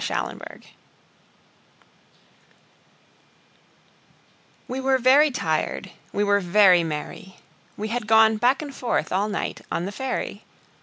Recuerdo WE WERE very tired, we were very merry We had gone back and forth all night on the ferry.